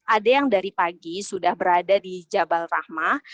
ada yang dari pagi sudah berada di jabal rahmah